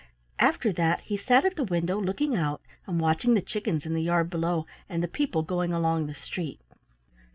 After that he sat at the window looking out and watching the chickens in the yard below, and the people going along the street.